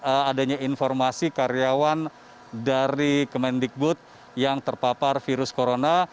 bahwa sejak adanya informasi karyawan dari kementikbud yang terpapar virus corona